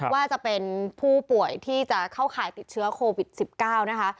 ว่าจะเป็นผู้ป่วยที่จะเข้าข่ายติดเชื้อโควิด๑๙นะคะ